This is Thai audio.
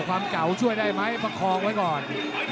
ความเก่าช่วยได้ไหมประคองไว้ก่อน